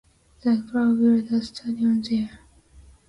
The club built a stadium there.